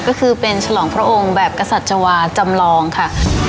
ก็คือเป็นฉลองพระองค์แบบกษัตวาจำลองค่ะ